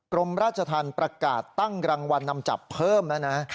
กรมราชธรรมประกาศตั้งรางวัลนำจับเพิ่มแล้วนะ